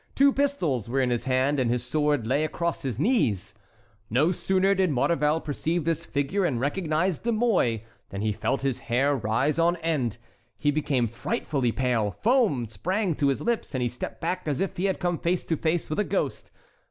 Two pistols were in his hand, and his sword lay across his knees. No sooner did Maurevel perceive this figure and recognize De Mouy than he felt his hair rise on end; he became frightfully pale, foam sprang to his lips, and he stepped back as if he had come face to face with a ghost.